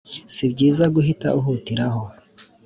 si byiza guhita uhutiraho